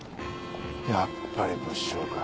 やっぱり物証か。